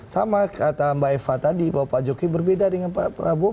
sama kata mbak eva tadi bahwa pak jokowi berbeda dengan pak prabowo